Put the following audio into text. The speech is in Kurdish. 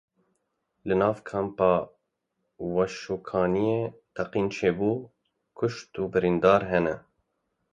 Li nav Kampa Waşûkaniyê teqîn çêbû kuştî û birîndar hene.